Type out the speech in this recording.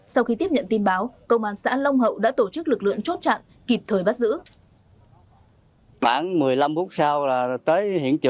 sau khi tiếp nhận tin báo công an xã long hậu đã tổ chức lực lượng chốt chặn kịp thời bắt giữ